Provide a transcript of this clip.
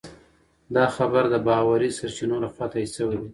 دا خبر د باوري سرچینو لخوا تایید شوی دی.